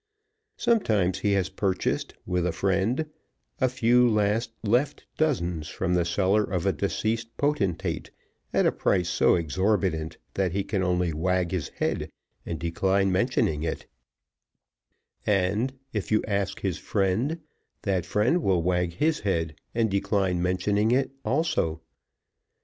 Sometimes he has purchased, with a friend, a few last left dozens from the cellar of a deceased potentate, at a price so exorbitant that he can only wag his head and decline mentioning it; and, if you ask his friend, that friend will wag his head, and decline mentioning it also.